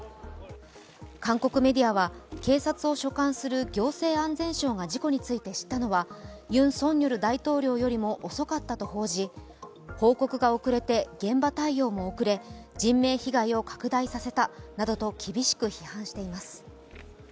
韓国メディアは警察を所管する行政安全相が事故について知ったのはユン・ソンニョル大統領よりも遅かったと報じ、報告が遅れて現場対応も遅れ人命被害を拡大させたなどと厳しく批判しています。